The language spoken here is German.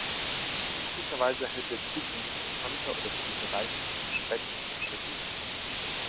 Üblicherweise hält der Zug in interessanter oder für die bereiste Strecke typischer Gegend.